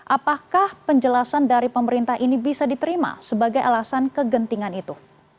apakah penjelasan dari pemerintah ini bisa diterima sebagai alasan kegentingan itu